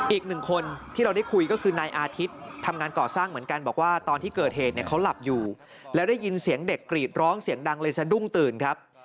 อีกหนึ่งคนที่เราได้คุยก็คือนายอาทิตย์ทำงานก่อสร้างเหมือนกันบอกว่าตอนที่เกิดเหตุเนี่ยเขาหลับอยู่แล้วได้ยินเสียงเด็กกรีดร้องเสียงดังเลยสะดุ้งตื่นครับ